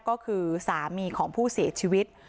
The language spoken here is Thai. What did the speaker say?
ก็คือสามีของผู้เสียชีวิต